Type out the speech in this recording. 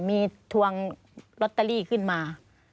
มีทวงลอตเตอรี่ขึ้นมา